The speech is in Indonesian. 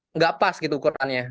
nggak pas gitu ukurannya